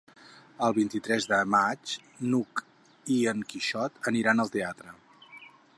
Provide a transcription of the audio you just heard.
El vint-i-tres de maig n'Hug i en Quixot aniran al teatre.